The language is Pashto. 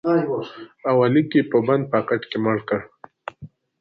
اولیک یې په بند پاکټ کې مړ کړ